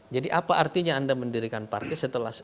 jadi apa artinya anda mendirikan partai